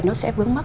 nó sẽ vướng mắc